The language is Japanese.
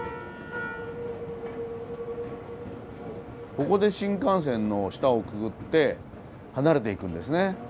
ここで新幹線の下をくぐって離れていくんですね。